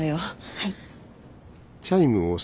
はい。